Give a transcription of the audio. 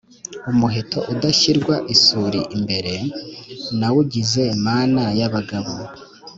Umuheto udashyirwa isuli imbere, nawugize mana y’abagabo